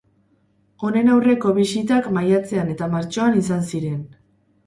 Honen aurreko bisitak maiatzean eta martxoan izan ziren.